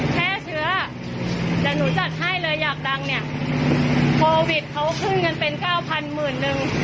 แพร่เชื้อแต่หนูจัดให้เลยอยากดังเนี่ยโควิดเขาขึ้นเงินเป็นเก้าพันหมื่นนึง